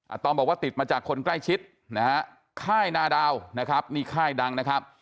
ตอมบอกว่าติดมาจากคนใกล้ชิดนะฮะค่ายนาดาวนะครับนี่ค่ายดังนะครับ